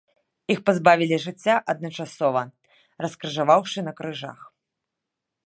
Іх пазбавілі жыцця адначасова, раскрыжаваўшы на крыжах.